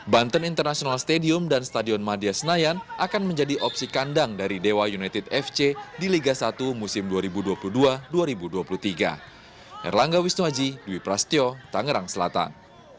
banten international stadium dan stadion madia senayan akan menjadi opsi kandang dari dewa united fc di liga satu musim dua ribu dua puluh dua dua ribu dua puluh tiga